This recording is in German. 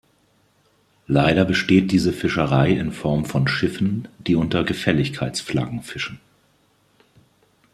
Leider besteht diese Fischerei in Form von Schiffen, die unter Gefälligkeitsflaggen fischen.